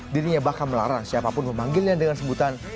dirinya bahkan melarang siapapun memanggilnya dengan sebutan